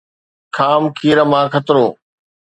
خام کير مان خطرو